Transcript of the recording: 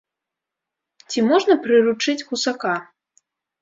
Ці можна прыручыць гусака?